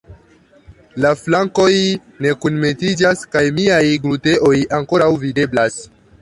La flankoj ne kunmetiĝas kaj miaj gluteoj ankoraŭ videblas!